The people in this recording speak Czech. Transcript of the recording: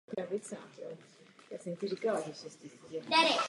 Je to bezbarvá nebo nažloutlá kapalina.